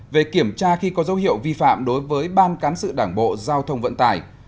một về kiểm tra khi có dấu hiệu vi phạm đối với ban cán sự đảng bộ giao thông vận tải